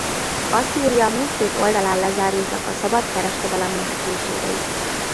Asszíria mindkét oldalán lezárultak a szabad kereskedelem lehetőségei.